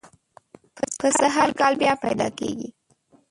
پسه هر کال بیا پیدا کېږي.